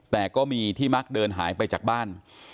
แต่ก็มีที่มักเดินหายไปจากบ้าน